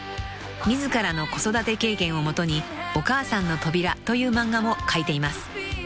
［自らの子育て経験を基に『おかあさんの扉』という漫画も描いています］